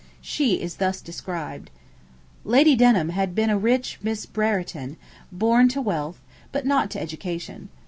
She is thus described: 'Lady Denham had been a rich Miss Brereton, born to wealth, but not to education.